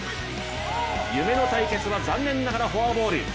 夢の対決は残念ながらフォアボール。